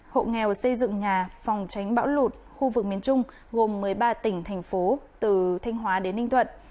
hộ nghèo xây dựng nhà phòng tránh bão lụt khu vực miền trung gồm một mươi ba tỉnh thành phố từ thanh hóa đến ninh thuận